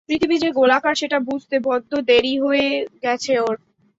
পৃথিবী যে গোলাকার সেটা বুঝতে বদ্দ দেরী হয়ে গেছে ওর।